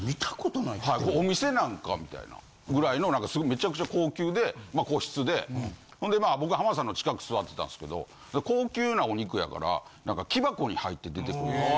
お店なんか？みたいな。ぐらいの何かすごいめちゃくちゃ高級でまあ個室でほんでまあ僕浜田さんの近く座ってたんすけど高級なお肉やから何か木箱に入って出てくるんです。